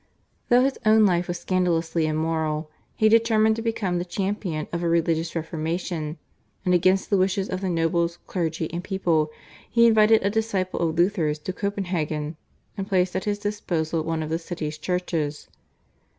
Though his own life was scandalously immoral he determined to become the champion of a religious reformation, and against the wishes of the nobles, clergy, and people he invited a disciple of Luther's to Copenhagen, and placed at his disposal one of the city's churches.